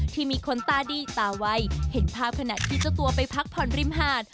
ที่มีคนตาดีตาวัยเห็นภาพขณะที่เจ้าตัวไปพักผ่อนริมหาด